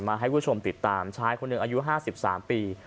ให้คุณผู้ชมติดตามชายคนหนึ่งอายุ๕๓ปี